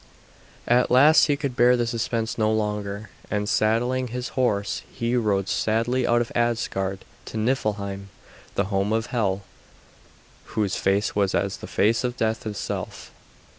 At last he could bear the suspense no longer, and saddling his horse he rode sadly out of Asgard to Niflheim, the home of Hel, whose face was as the face of death itself.